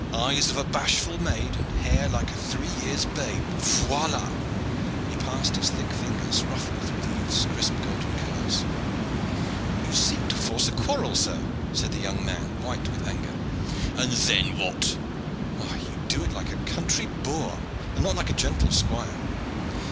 Eyes of a bashful maid, and hair like a three years' babe! Voila!" He passed his thick fingers roughly through the youth's crisp golden curls. "You seek to force a quarrel, sir," said the young man, white with anger. "And what then?" "Why, you do it like a country boor, and not like a gentle squire.